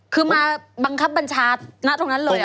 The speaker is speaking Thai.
คือมาบังคับบัญชาตรงนั้นเลยเหรอครับ